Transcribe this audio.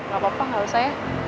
gak apa apa nggak usah ya